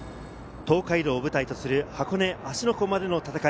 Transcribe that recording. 東海道を舞台とする箱根・芦ノ湖までの戦い。